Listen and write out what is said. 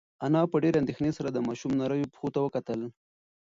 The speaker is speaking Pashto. انا په ډېرې اندېښنې سره د ماشوم نریو پښو ته وکتل.